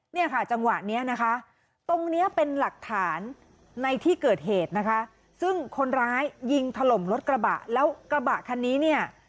เนี่ยค่ะจังหวะนี้นะคะตรงเนี้ยเป็นหลักฐานในที่เกิดเหตุนะคะซึ่งคนร้ายยิงถล่มรถกระบะแล้วกระบะคันนี้เนี่ย